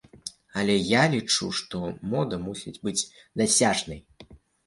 Але я лічу, што мода мусіць быць дасяжнай.